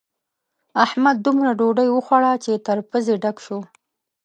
احمد دومره ډوډۍ وخوړه چې تر پزې ډک شو.